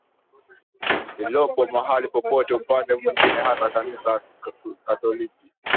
lililopo mahali popote Upande mwingine hata Kanisa Katoliki